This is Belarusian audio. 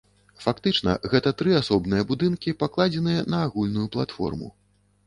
Фактычна, гэта тры асобныя будынкі, пакладзеныя на агульную платформу.